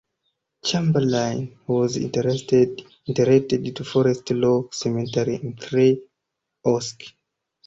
Chamberlain was interred at Forest Lawn Cemetery in Three Oaks.